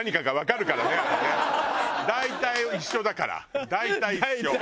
大体一緒だよね。